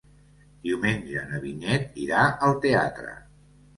Diumenge na Vinyet irà al teatre.